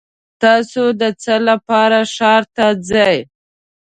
تاسو د څه لپاره ښار ته ځئ؟